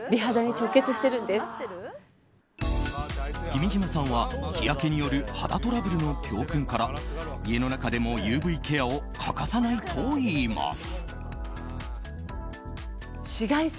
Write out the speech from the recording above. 君島さんは、日焼けによる肌トラブルの教訓から家の中でもＵＶケアを欠かさないといいます。